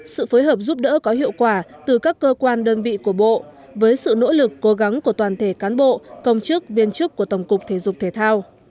sự phối hợp giúp đỡ có hiệu quả từ các cơ quan đơn vị của bộ với sự nỗ lực cố gắng của toàn thể cán bộ công chức viên chức của tổng cục thể dục thể thao